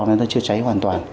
nó chưa cháy hoàn toàn